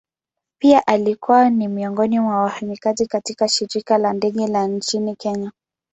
Pia alikuwa ni miongoni mwa wafanyakazi katika shirika la ndege la nchini kenya.